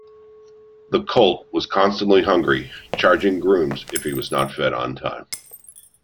The colt was constantly hungry, charging grooms if he was not fed on time.